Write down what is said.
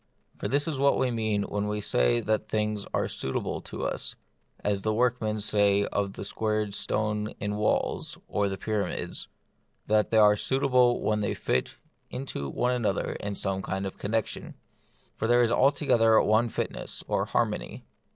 For this is what we mean when we say that things are suitable to us, as the workmen say of the squared stones in walls or the pyramids, that they are suitable when they fit one into another in some kind of connexion. For there is altogether one fitness (or harmony.)